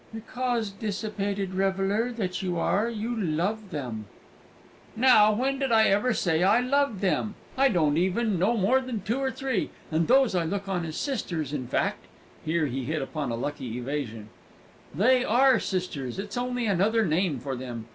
"Because, dissipated reveller that you are, you love them." "Now, when did I ever say I loved them? I don't even know more than two or three, and those I look on as sisters in fact" (here he hit upon a lucky evasion) "they are sisters it's only another name for them.